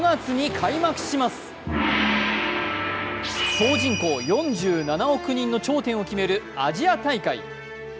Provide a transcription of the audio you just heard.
総人口４７億人の頂点を決めるアジア大会。